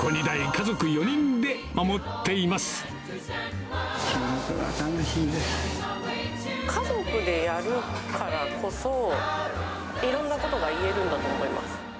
家族でやるからこそ、いろんなことが言えるんだと思います。